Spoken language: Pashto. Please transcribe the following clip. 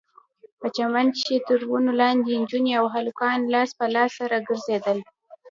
په چمن کښې تر ونو لاندې نجونې او هلکان لاس په لاس سره ګرځېدل.